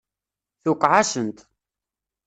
Tuqeε-asent.